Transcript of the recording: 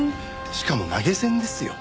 しかも投げ銭ですよ。